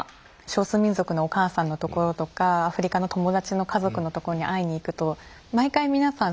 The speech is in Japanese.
少数民族のお母さんのところとかアフリカの友達の家族のところに会いに行くと毎回皆さん